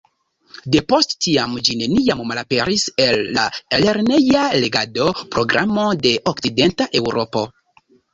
Depost tiam ĝi neniam malaperis el la lerneja legado-programo de okcidenta Eŭropo.